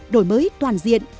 đổi mới toàn diện